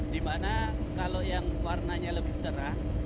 di mana kalau yang warnanya lebih cerah